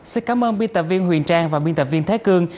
xin cảm ơn biên tập viên huyền trang và biên tập viên thái cương